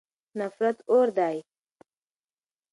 نفرت اور دی.